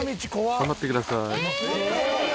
頑張ってください。